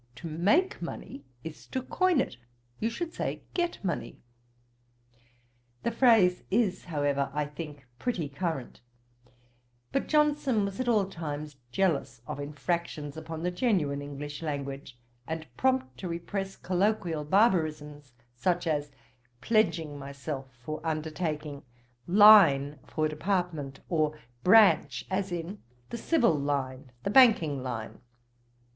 To make money is to coin it: you should say get money.' The phrase, however, is, I think, pretty current. But Johnson was at all times jealous of infractions upon the genuine English language, and prompt to repress colloquial barbarisms; such as, pledging myself, for undertaking; line, for department, or branch, as, the civil line, the banking line.